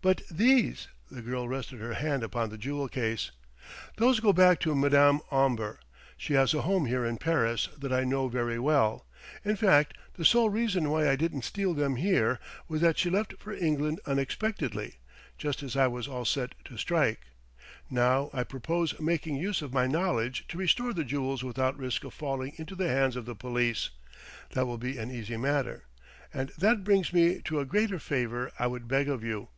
"But these?" The girl rested her hand upon the jewel case. "Those go back to Madame Omber. She has a home here in Paris that I know very well. In fact, the sole reason why I didn't steal them here was that she left for England unexpectedly, just as I was all set to strike. Now I purpose making use of my knowledge to restore the jewels without risk of falling into the hands of the police. That will be an easy matter.... And that brings me to a great favour I would beg of you."